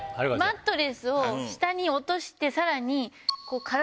マットレスを下に落としてさらに。